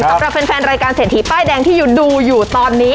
สำหรับแฟนรายการเศรษฐีป้ายแดงที่อยู่ดูอยู่ตอนนี้